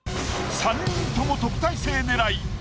３人とも特待生狙い！